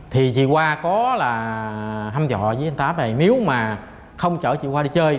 thì chị khoa có hâm dọa với anh tám là nếu mà không chở chị khoa đi chơi